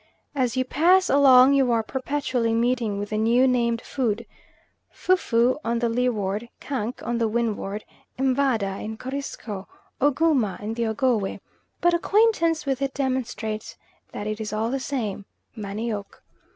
As you pass along you are perpetually meeting with a new named food, fou fou on the Leeward, kank on the Windward, m'vada in Corisco, ogooma in the Ogowe; but acquaintance with it demonstrates that it is all the same manioc.